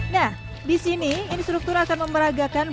nah disini instruktur akan memeragakan